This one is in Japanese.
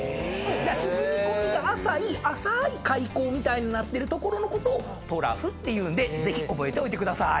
沈み込みが浅い浅ーい海溝みたいになってる所のことをトラフっていうんでぜひ覚えておいてください。